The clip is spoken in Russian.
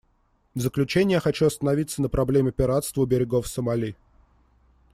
В заключение я хочу остановиться на проблеме пиратства у берегов Сомали.